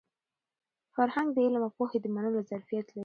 فرهنګ د علم او پوهې د منلو ظرفیت لري.